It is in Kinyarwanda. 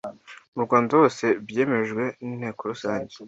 mu rwanda hose byemejwe n inteko rusange